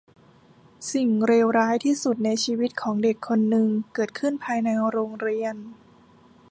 สิ่งเลวร้ายที่สุดในชีวิตของเด็กคนหนึ่งเกิดขึ้นภายในโรงเรียน